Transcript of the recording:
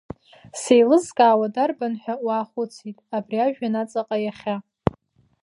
Сеилызкаауа дарбан ҳәа уаахәыцит, абри ажәҩан аҵаҟа иахьа…